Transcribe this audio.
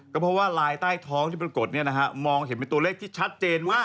ก็เพราะว่าไลน์ใต้ท้องที่มันกดเนี่ยนะฮะมองเห็นเป็นตัวเลขที่ชัดเจนว่า